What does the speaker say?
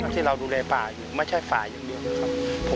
ที่เรารุเรป่าอยู่ไม่ใช่ฝ่ายังเดียวครับ